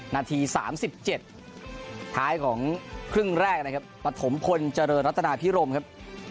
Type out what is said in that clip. นาที๓๗ท้ายของครึ่งแรกนะครับปฐมพลเจริญรัตนาพิรมครับ